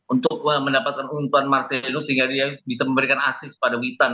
untuk mendapatkan untungan marcelinho sehingga dia bisa memberikan asis pada wittang